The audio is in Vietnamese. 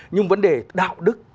nhưng vấn đề đạo đức